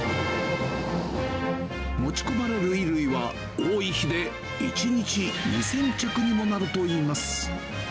持ち込まれる衣類は、多い日で１日２０００着にもなるといいます。